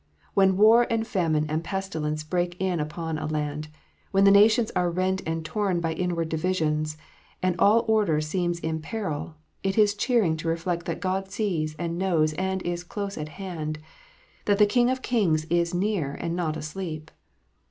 When Avar and famine and pestilence break in upon a land, when the nations are rent and torn by inward divisions, and all order seems in peril, it is cheering to reflect that God sees and knows and is close at hand, that the King of kings is near and not asleep.